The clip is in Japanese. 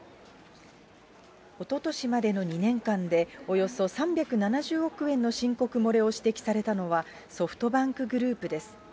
おととしまでの２年間で、およそ３７０億円の申告漏れを指摘されたのは、ソフトバンクグループです。